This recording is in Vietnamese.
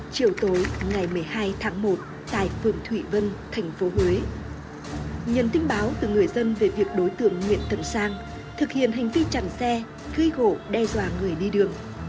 chiều tối ngày một mươi hai tháng một tại phường thủy vân tp huế nhận tin báo từ người dân về việc đối tượng nguyễn thần sang thực hiện hành vi chặn xe cưới gỗ đe dọa người đi đường